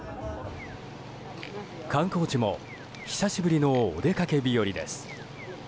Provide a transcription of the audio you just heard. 観光地も久しぶりのお出かけ日和です。